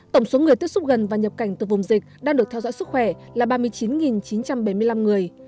tổng số người tiếp xúc gần và nhập cảnh từ vùng dịch đang được theo dõi sức khỏe là ba mươi chín chín trăm bảy mươi năm người